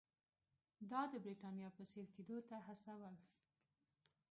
دا د برېټانیا په څېر کېدو ته هڅول.